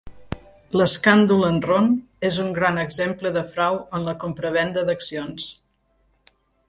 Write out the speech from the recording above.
L'escàndol Enron és un gran exemple de frau en la compravenda d'accions.